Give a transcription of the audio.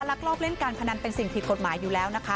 ลักลอบเล่นการพนันเป็นสิ่งผิดกฎหมายอยู่แล้วนะคะ